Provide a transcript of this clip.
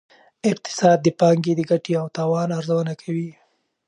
اقتصاد د پانګې د ګټې او تاوان ارزونه کوي.